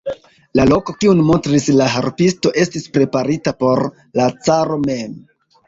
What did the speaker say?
La loko, kiun montris la harpisto, estis preparita por la caro mem.